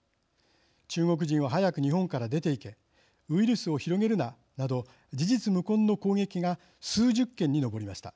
「中国人は早く日本から出ていけ」「ウイルスを広げるな」など事実無根の攻撃が数十件に上りました。